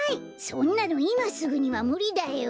そんなのいますぐにはむりだよ。